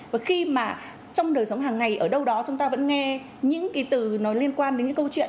và khi mà trong đời sống hàng ngày ở đâu đó chúng ta vẫn nghe những cái từ nó liên quan đến những câu chuyện